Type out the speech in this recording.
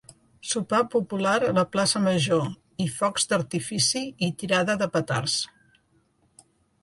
Sopar popular a la plaça Major i focs d'artifici i tirada de petards.